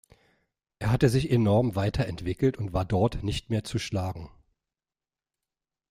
Er hatte sich enorm weiterentwickelt und war dort nicht mehr zu schlagen.